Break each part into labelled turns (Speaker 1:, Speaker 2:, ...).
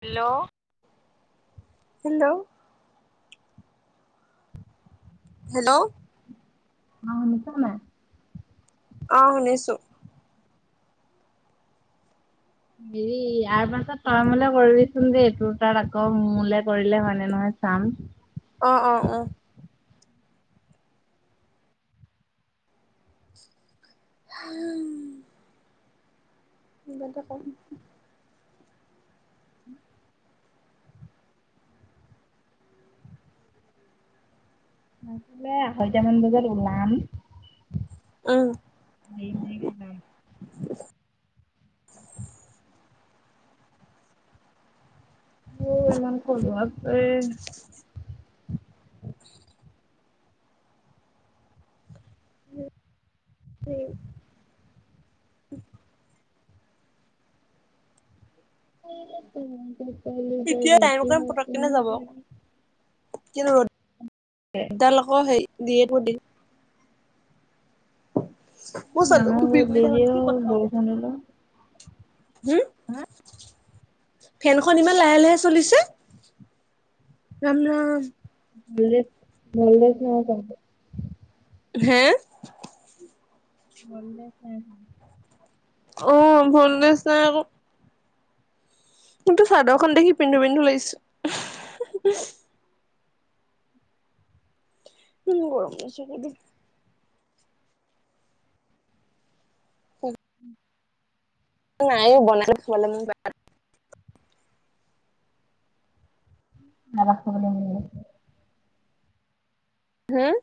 Speaker 1: Hello
Speaker 2: hello. Hello.
Speaker 1: অ শুনিছা নাই?
Speaker 2: অ শুনিছো।
Speaker 1: হেৰি ইয়াৰ পাছত তই মোলে কৰিবিচোন দেই তোৰ তাত আকৌ মোলে কৰিলে হয়নে নহয় চাম।
Speaker 2: অ অ অ। হা। [inaudible]
Speaker 1: নাছিলে আঢ়ৈটামান বজাত ওলাম।
Speaker 2: উম
Speaker 1: দেৰিমিয়াকে যাম। এই ইমান খজুহঁত এই।
Speaker 2: চি এতিয়া টাইম অকণ পটককেনে যাব
Speaker 1: [inaudible]
Speaker 2: কিন্তু ৰ ৰদাল আকৌ সেই দিয়ে পদি। [inaudible]
Speaker 1: দিলে
Speaker 2: হুম।
Speaker 1: হা
Speaker 2: ফেনখন ইমান লাহে লাহে চলিছে, ৰাম ৰাম।
Speaker 1: [inaudible]
Speaker 2: হেঁ।
Speaker 1: ভাল নে ঘৰত?
Speaker 2: অ' ভলদেছ নাই আক'। কিন্ত চাদৰখন দেখি পিন্ধো-পিন্ধো লাগিছো। গৰম।
Speaker 1: [unintelligible]
Speaker 2: নাই অ' বনাই লৈছো।
Speaker 1: [unintelligible]
Speaker 2: হুম।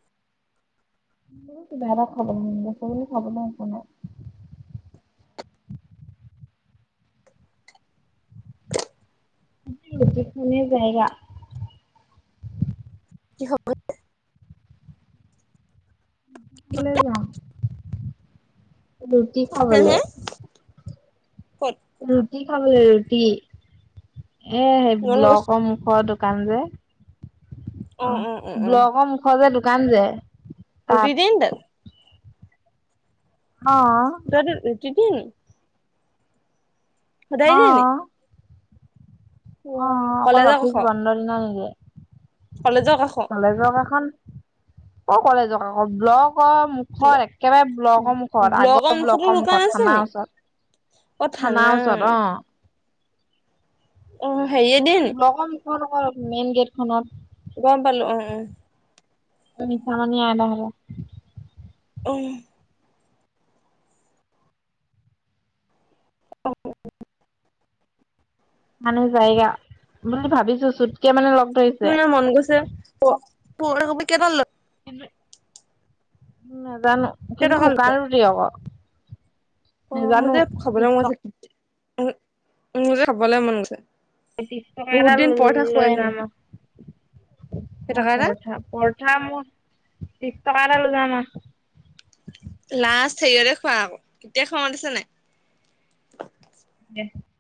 Speaker 1: এই কিবা এটা খাব মন গৈছে, এই খাবলে একো নাই। মে অভি ৰুটি খানে যায় গা।
Speaker 2: কি হ'ব।
Speaker 1: ক'লে যাও? ৰুটি
Speaker 2: হে হে
Speaker 1: খাবলৈ।
Speaker 2: ক'ত
Speaker 1: ৰুটি খাবলৈ ৰুটি, এ' সেই
Speaker 2: মন গৈছে
Speaker 1: ব্লকৰ মুখৰ দোকান যে।
Speaker 2: অ
Speaker 1: অঁ',
Speaker 2: অ অ অ
Speaker 1: ব্লকৰ মুখৰ যে দোকান যে। তাত।
Speaker 2: ৰুটি দিয়ে নি তা'ত?
Speaker 1: অঁ'।
Speaker 2: তা'ত ৰুটি দিয়ে নি?
Speaker 1: অঁ'।
Speaker 2: ৱা
Speaker 1: অঁ', অকল
Speaker 2: কলেজৰ
Speaker 1: অফিচ বন্ধ দিনা নেকি।
Speaker 2: কলেজ কাষ।
Speaker 1: কলেজ সেখন, অ' কলেজ কাষ, ব্লক অ'- মুখৰ একেবাৰে ব্লকৰ মুখত আগৰ
Speaker 2: মুখতো
Speaker 1: ব্লকৰ
Speaker 2: দোকান
Speaker 1: মুখত
Speaker 2: আছে
Speaker 1: থানাৰ
Speaker 2: নি অ
Speaker 1: ওচৰত। থানাৰ
Speaker 2: থানা
Speaker 1: ওচৰত অঁ'।
Speaker 2: অ', হেৰিয়ে দি
Speaker 1: ব্লকৰ মুখৰ আক' মেইন গেটখনত।
Speaker 2: গ'ম পালো অঁ', -উম।
Speaker 1: নিশামণি আইতা সেহঁতৰ।
Speaker 2: অ'।
Speaker 1: হাম অভি যায় গা, বুলি ভাবিছো চুতকে মানে লগ ধৰিছে।
Speaker 2: মোৰ ইমান মন গৈছে, প-প [unintelligible]
Speaker 1: নাজানো, কিন্তু
Speaker 2: কেইটকা
Speaker 1: শুকান
Speaker 2: ল
Speaker 1: ৰুটি আকৌ।
Speaker 2: অ', -মোৰ
Speaker 1: নাজানো
Speaker 2: যে
Speaker 1: ত্ৰিশ
Speaker 2: খাবলৈ
Speaker 1: টকা
Speaker 2: মন গৈছে, মোৰ যে খাবলৈ মন গৈছে।
Speaker 1: ত্ৰিশ টকা এটা
Speaker 2: বহুত দিন পৰঠা
Speaker 1: লৈ
Speaker 2: খোৱাই নাই
Speaker 1: যাম অঁ',
Speaker 2: কেইটকা এটা
Speaker 1: পৰঠা-পৰ- পিঠা মোৰ ত্ৰিছ টকা এটা লৈ যাম আৰু।
Speaker 2: লাষ্ট হেৰিয়তে খোৱা আকৌ, তেতিয়া খোৱা মনত আছে নে নাই?
Speaker 1: [unintelligible]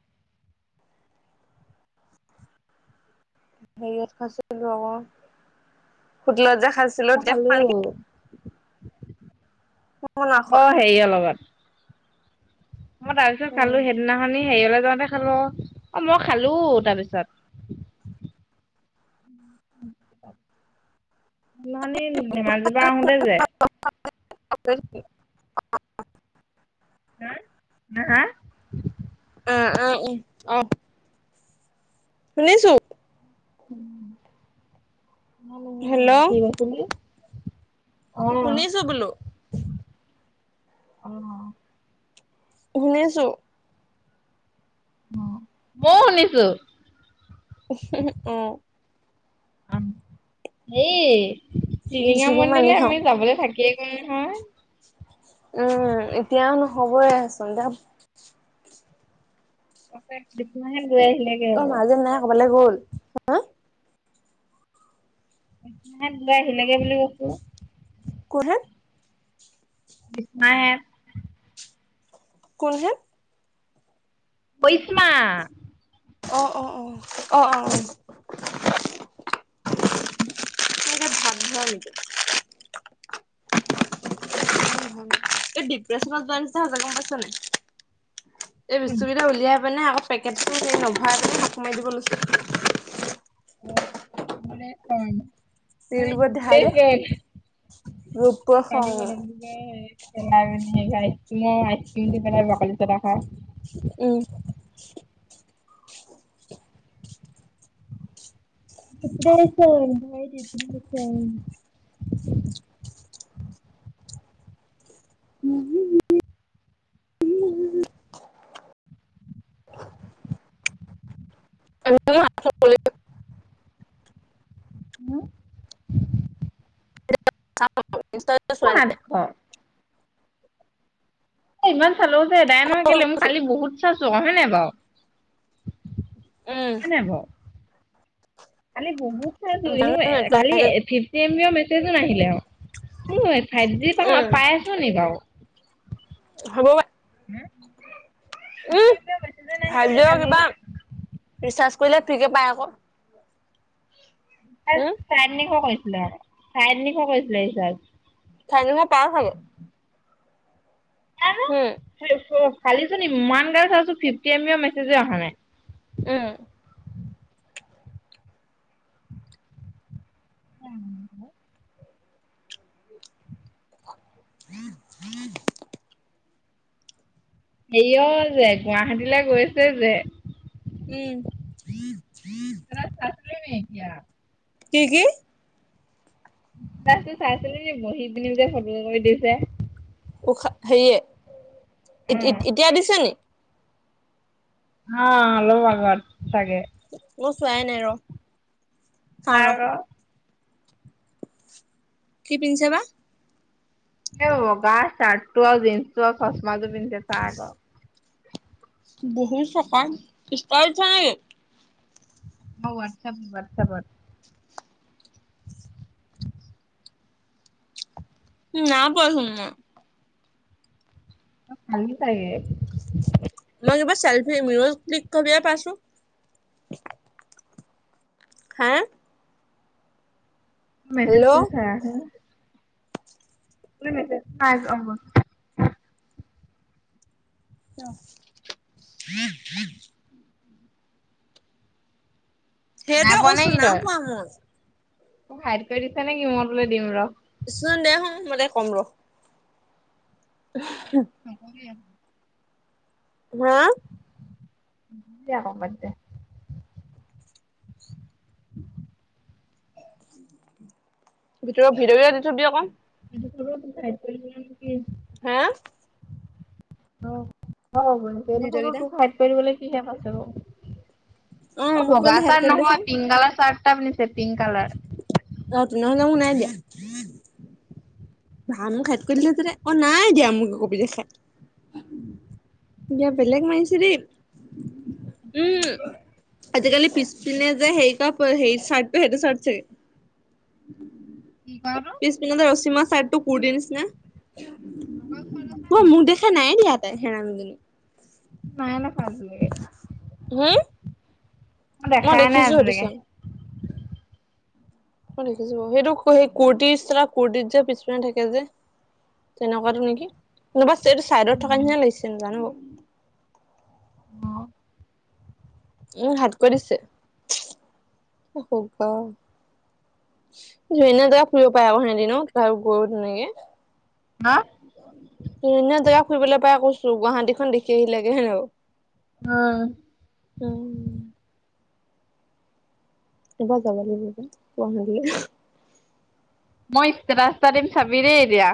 Speaker 2: হেৰিয়ত খাইছিলো আকৌ, হোটেলত যে খাইছিলো
Speaker 1: মই
Speaker 2: তেতিয়া
Speaker 1: খালো
Speaker 2: খোৱা নেকি। ক'তো নাই খোৱা।
Speaker 1: হেৰিয় লগত। মই তাৰপিছত খালো সেইদিনাখনি হেৰিয়লৈ যাওঁতে খালো, অ', মই খালো তাৰপিছত। সেইদিনা খনি ধেমাজিৰ পৰা আহোতে যে।
Speaker 2: [unintelligible]
Speaker 1: হাঁ-হাঁ-হাঁ?
Speaker 2: অঁ', -অঁ', -উম, অঁ'। শুনিছো।
Speaker 1: উম, মই
Speaker 2: হেল্ল'
Speaker 1: নুশুনিলো কি কৈছিলি? অ
Speaker 2: শুনিছো বোলো
Speaker 1: অ।
Speaker 2: শুনিছো।
Speaker 1: অ মও শুনিছো।
Speaker 2: অ।
Speaker 1: অ এই টিলিঙা
Speaker 2: বেছিকে মানি
Speaker 1: মন্দিৰলৈ
Speaker 2: খাওঁ
Speaker 1: আমি যাবলৈ থাকিয়ে গ'ল নহয়।
Speaker 2: উম, এতিয়াও নহবয় চোন ধাপ
Speaker 1: [unintelligible] গৈ আহিলে।
Speaker 2: অ মা যেন নাই ক'বালে গ'ল, হা?
Speaker 1: নাই দিলে আহিলেগে বুলি কৈছো।
Speaker 2: কোনে?
Speaker 1: [unintelligible]
Speaker 2: কোন হে?
Speaker 1: পৰিশ্মা।
Speaker 2: অ অ অ অ অ অ। হ'ল এতিয়া? এই ডিপ্ৰেশচনত যোৱা নিচিনা হৈছে গ'ম পাইছা নে নাই? এই বস্তু কেইটা উলিয়াই পিনে আকৌ পেকেটটো নভৰাই পিনে [unintelligible] দিব লৈছো।
Speaker 1: [unintelligible]
Speaker 2: ৰিলবোৰত দেখা যে ৰূপৰ খং
Speaker 1: [unintelligible] [unintelligible]
Speaker 2: উম।
Speaker 1: [unintelligible]
Speaker 2: [inaudible]
Speaker 1: [inaudible] [inaudible]
Speaker 2: [unintelligible]
Speaker 1: হম। সাতশ
Speaker 2: [unintelligible]
Speaker 1: ইমান চালো যে এদাই নহয় কেলে মই খালি বহুত চাইছো হয় নহয় বাও।
Speaker 2: উম।
Speaker 1: হয় নাই বাও। খালি বহুত চালো
Speaker 2: উম
Speaker 1: এনো এ খালি ফিফ চি এম বি অৰ মেছেজো নাহিলে কি হয় ফাইভ জি পাও
Speaker 2: উম
Speaker 1: পাই আ ছো নি বাও।
Speaker 2: হ'ব বা
Speaker 1: ফিফটি
Speaker 2: উম
Speaker 1: এম বি মেছেজে
Speaker 2: ফাই
Speaker 1: নাহিলে
Speaker 2: জি
Speaker 1: যে
Speaker 2: অ
Speaker 1: কালিও
Speaker 2: কিবা ৰিচাৰ্জ কৰিলে ফ্ৰী কে পায় আক।
Speaker 1: এট চাৰে তিনিশ কৈছিলে, চাৰে তিনিশ কৈছিলে ৰিচাৰ্ছ।
Speaker 2: চাৰে তিনিশ পাওঁ চাগে। হু।
Speaker 1: [unintelligible] খালি চোন ইমান গাল চাইছো ফিফটি এম বিৰ মেছেজো অহা নাই।
Speaker 2: উম।
Speaker 1: উ।
Speaker 2: [inaudible]
Speaker 1: হেয় যে গুৱাহাটীলৈ গৈছে যে-
Speaker 2: উমঁ।
Speaker 1: মোবাইল চাইছিলি নি এতিয়া।
Speaker 2: কি কি।
Speaker 1: টো চাইছিলি ন বহি পিনি যে ফটো কৰি দিছে।
Speaker 2: ওখা
Speaker 1: অ
Speaker 2: হেৰিয়ে এতিয়া দিছে নি।
Speaker 1: অঁ অলপ আগত চাগে।
Speaker 2: ম চোৱাই নাই ৰ। চাওঁ
Speaker 1: চা
Speaker 2: ৰ
Speaker 1: ক আৰু।
Speaker 2: কি পিন্ধিছে বা।
Speaker 1: এই বগা চাৰ্ট টো আৰু জিন্স টো চচ্মা য পিন্ধে চাহ ক।
Speaker 2: এনেও তেৰাং ইষ্টাল চাহি।
Speaker 1: অঁ ওবাটচাপ ওবাটচাপত।
Speaker 2: উমঁ নাই পোৱা চুন মই।
Speaker 1: লগ পালি চাগে।
Speaker 2: মই কিবা চেল্ফি ম ক্লিক কৰিবিয়ে পাইছোঁ। হা? হেল্ল'
Speaker 1: মেৰুৰ চা হে মোলে মেচেজ নাই যোৱা হৱ।
Speaker 2: ৰহ
Speaker 1: নাই
Speaker 2: সেইটোয়ে
Speaker 1: পোৱা নে
Speaker 2: কৈছোঁ
Speaker 1: কি
Speaker 2: না
Speaker 1: তই
Speaker 2: পোৱা মই।
Speaker 1: মোক হাইট কৰি দিছে নেকি মোতোলৈ দিম ৰ।
Speaker 2: চোন দে হোন মইতে ক'ম ৰ। ওহে।
Speaker 1: নকবি আহ।
Speaker 2: হা।
Speaker 1: কি আক বাদ দে।
Speaker 2: ভিতৰৱৰ ভিদৌৰ দি থবি আক-
Speaker 1: ভিতৰতো নাতৈতো নাম কি।
Speaker 2: হা।
Speaker 1: অঁ অঁ হয় এই টো
Speaker 2: ভিডিঅ' কেইটা
Speaker 1: টু ফাইভ। কৰিবলৈ কিহে পাইছে বাও বগা অ
Speaker 2: মোক
Speaker 1: বগা
Speaker 2: মানে হেড
Speaker 1: চাৰ্ট
Speaker 2: কৰি দিলে
Speaker 1: নহয়
Speaker 2: চাওঁ
Speaker 1: পিং কালাৰ চাৰ্ট। তাপ নিচে পিংক কালাৰ।
Speaker 2: অঁ তেনেহলে মোক নাই দিয়া। ভান মো খাই কৰি দিলে তৰে অ', নাই দিয়া মোৰ কবিজা খাই। এতিয়া বেলেগ মানিছে দেই। উমঁ,
Speaker 1: সঁচাকে,
Speaker 2: আজিকালি পিছপিনে যে সেই কাপ হে চাৰ্টটো সেইটো চাৰ্ট চাগে।
Speaker 1: ফোন কৰা ক।
Speaker 2: পিছপিনে যে ৰশিমা চাৰ্টো কুৰটি নিচিনা
Speaker 1: লগৰ ছোৱালী আছে নি?
Speaker 2: মোৰ দে- হে নাই দিয়া তাই হেৰামি জনি।
Speaker 1: নাই দেখা আজিলৈকে।
Speaker 2: হুম, মই
Speaker 1: দেখাই নাই
Speaker 2: দেখিছোঁ হেইটো
Speaker 1: আজিলৈকে।
Speaker 2: চাৰ্ট। মই দেখিছো বাৰু, সেইটো স কুৰ্তটি ইষ্টাইল কুুৰ্তিত যে পিছপিনে থাকে যে। তেনেকুৱাতো নেকি, নাই বা এইটো চাইডত থকা নিচিনা লাগিছে নাজানো বাৰু।
Speaker 1: আহ।
Speaker 2: উম', হাতকৈ দিছে [unintelligible] এনেদৰে ফুৰিব পাৰে আকৌ সেনদিন ন' [unintelligible] তেনেকে।
Speaker 1: হা?
Speaker 2: ধুনীয়া জেগা ফুৰিব পাই কৈছো, গুৱাহাটীখন দেখি আহিলোগে হয়।
Speaker 1: অহ'।
Speaker 2: উম'। এইবাৰ যাব লাগিব গুৱাহাটী লে। -
Speaker 1: মই ষ্টেটাছ এটা দিম চাবি দেই এতিয়া।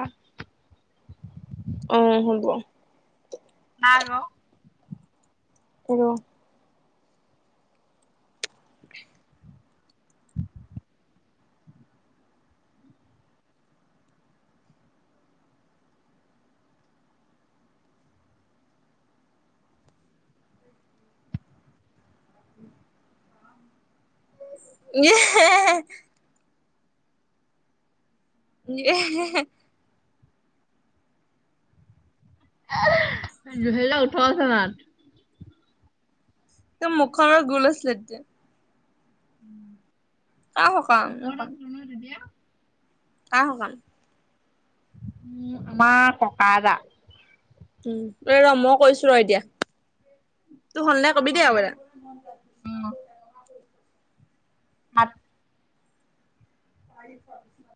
Speaker 2: অহ', হব।
Speaker 1: নাই অ।
Speaker 2: হেল্লো।
Speaker 1: [inaudible]
Speaker 2: এ [unintelligible] উ [unintelligible]
Speaker 1: [unintelligible] দুহেজাৰ উঠৰ চনত।
Speaker 2: টোৰ মুখনৰ গোল আছিলে তেতিয়া। ক [unintelligible] কাম
Speaker 1: শকত
Speaker 2: এখন।
Speaker 1: আছিলো ন তেতিয়া?
Speaker 2: কাৰ শুকান?
Speaker 1: উম, আমাৰ ককা এটা।
Speaker 2: উম, এ ৰ মই কৈছো ৰ এতিয়া, তোৰ হ'ল নে কবি দেই [unintelligible] মন ল [unintelligible]
Speaker 1: মাত
Speaker 2: তাৰি [unintelligible]